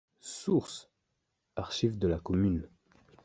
Source: Archives de la commune.